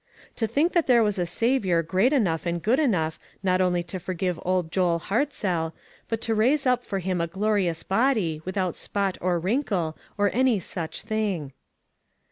To think that there was a Saviour great enough and good enough not only to forgive old Joel Hart zell, but to raise up for him a glorious body, without spot or wrinkle or any such thing.